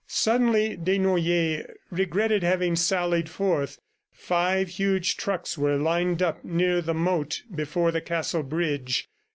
Suddenly Desnoyers regretted having sallied forth. Five huge trucks were lined up near the moat before the castle bridge.